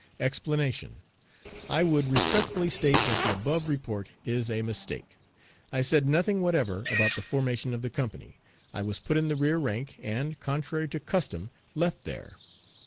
Explanation: I would respectfully state that the above report is a mistake. I said nothing whatever about the formation of the company. I was put in the rear rank, and, contrary to custom, left there.